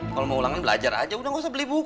kalau mau ulangan belajar aja udah nggak usah beli buku